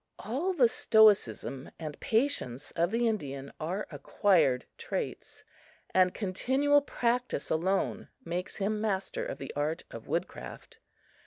All the stoicism and patience of the Indian are acquired traits, and continual practice alone makes him master of the art of wood craft.